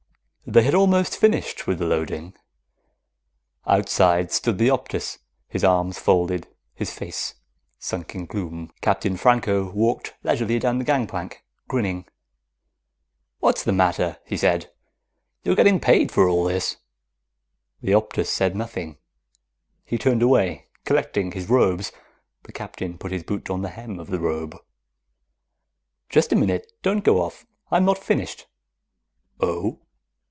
_ They had almost finished with the loading. Outside stood the Optus, his arms folded, his face sunk in gloom. Captain Franco walked leisurely down the gangplank, grinning. "What's the matter?" he said. "You're getting paid for all this." The Optus said nothing. He turned away, collecting his robes. The Captain put his boot on the hem of the robe. "Just a minute. Don't go off. I'm not finished." "Oh?"